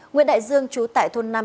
nguyên đại dương trú tại thôn năm